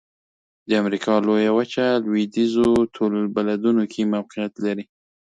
د امریکا لویه وچه لویدیځو طول البلدونو کې موقعیت لري.